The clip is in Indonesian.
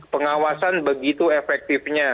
pengawasan begitu efektifnya